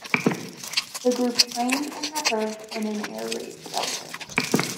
The group trained and rehearsed in an air raid shelter.